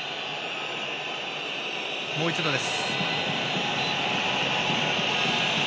もう一度です。